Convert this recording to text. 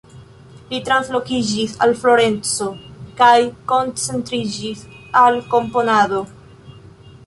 Li translokiĝis al Florenco kaj koncentriĝis al komponado.